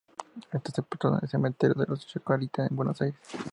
Está sepultado en el Cementerio de la Chacarita en Buenos Aires.